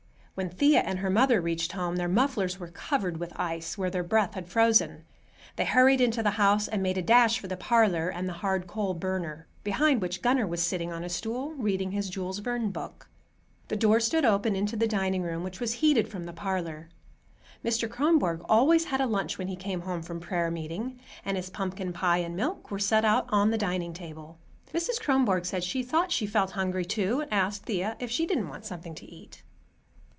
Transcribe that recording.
When Thea and her mother reached home, their mufflers were covered with ice, where their breath had frozen. They hurried into the house and made a dash for the parlor and the hard coal burner, behind which Gunner was sitting on a stool, reading his Jules Verne book. The door stood open into the dining room, which was heated from the parlor. Mr. Kronborg always had a lunch when he came home from prayer meeting, and his pumpkin pie and milk were set out on the dining table. Mrs. Kronborg said she thought she felt hungry, too, and asked Thea if she didn't want something to eat.